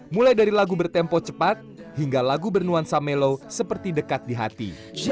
mulai dari lagu bertempo cepat hingga lagu bernuansa melo seperti dekat di hati